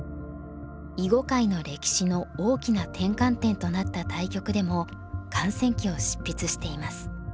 囲碁界の歴史の大きな転換点となった対局でも観戦記を執筆しています。